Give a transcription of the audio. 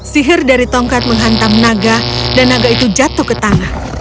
sihir dari tongkat menghantam naga dan naga itu jatuh ke tanah